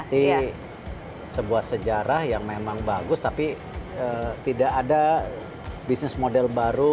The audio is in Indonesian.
ini sebuah sejarah yang memang bagus tapi tidak ada bisnis model baru